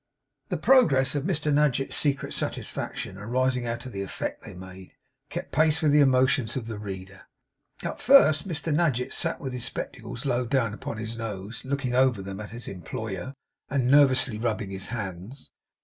The progress of Mr Nadgett's secret satisfaction arising out of the effect they made, kept pace with the emotions of the reader. At first, Mr Nadgett sat with his spectacles low down upon his nose, looking over them at his employer, and nervously rubbing his hands.